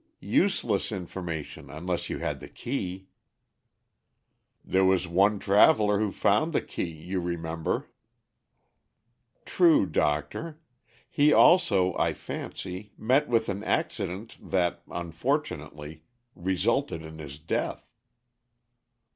"Useless information unless you had the key." "There was one traveler who found the key, you remember?" "True, doctor. He also, I fancy, met with an accident that, unfortunately, resulted in his death."